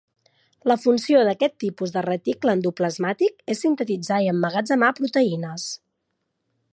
La funció d'aquest tipus de reticle endoplasmàtic és sintetitzar i emmagatzemar proteïnes.